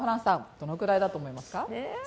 どのくらいだと思いますか？